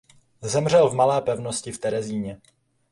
Zemřel v Malé pevnosti v Terezíně.